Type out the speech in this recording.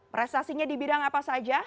prestasinya di bidang apa saja